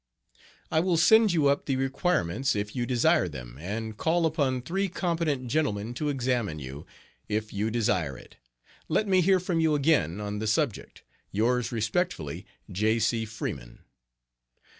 I will send you up the requirements, if you desire them, and call upon three competent gentlemen to examine you, if you desire it. Let me hear from you again on the subject. Yours respectfully, J. C. FREEMAN.